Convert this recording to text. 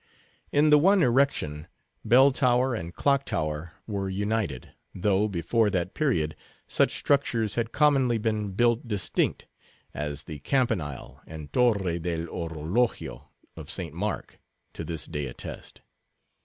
In the one erection, bell tower and clock tower were united, though, before that period, such structures had commonly been built distinct; as the Campanile and Torre del 'Orologio of St. Mark to this day attest.